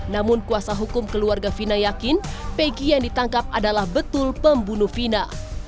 namun kuasa hukum keluarga fina yakin peggy yang ditangkap adalah betul pembunuh vina